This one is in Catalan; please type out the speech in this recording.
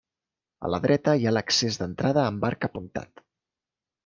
A la dreta hi ha l'accés d'entrada amb arc apuntat.